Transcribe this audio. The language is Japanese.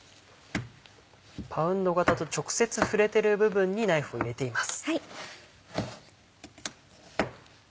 パウンド型と直接触れてる部分にナイフを入れています。